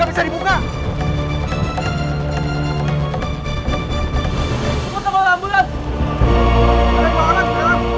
buka kalau lamburan